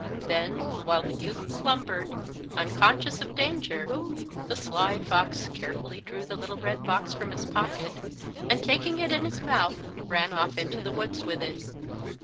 Then, while the youth slumbered, unconscious of danger, the Sly Fox carefully drew the little red box from his pocket, and, taking it in his mouth, ran off into the woods with it.